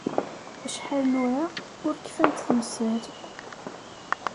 Acḥal nura, ur kfant temsal!